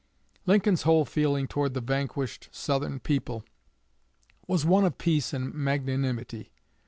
_'" Lincoln's whole feeling toward the vanquished Southern people was one of peace and magnanimity.